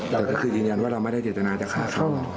แต่ก็คือจริงว่าเราไม่ได้เจตนาจะฆ่าเขา